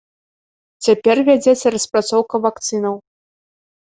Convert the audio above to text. Цяпер вядзецца распрацоўка вакцынаў.